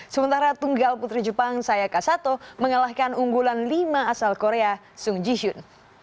sementara tunggal putri jepang sayaka sato mengalahkan unggulan lima asal korea sung ji hyun